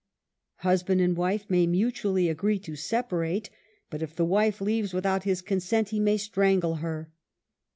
Husband and wife may mutually agree to separate, but if the wife leaves without his consent, he may strangle her.